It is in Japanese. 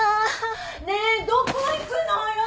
ねえどこ行くのよ！